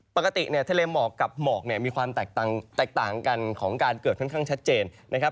ปกติเนี่ยทะเลหมอกกับหมอกเนี่ยมีความแตกต่างกันของการเกิดค่อนข้างชัดเจนนะครับ